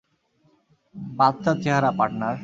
বাচ্চা চেহারা, পার্টনার।